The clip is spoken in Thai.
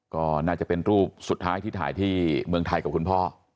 ก็น่าจะเป็นรูปสุดท้ายที่ถ่ายที่เมืองไทยกับคุณพ่อ